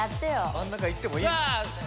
真ん中いってもいいのに。